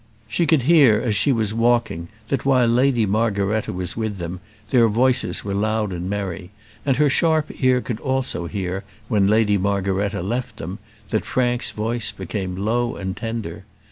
She could hear as she was walking, that while Lady Margaretta was with them, their voices were loud and merry; and her sharp ear could also hear, when Lady Margaretta left them, that Frank's voice became low and tender.